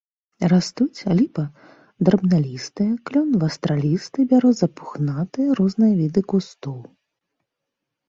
Растуць ліпа драбналістая, клён вастралісты, бяроза пухнатая, розныя віды кустоў.